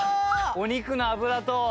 お肉の脂と。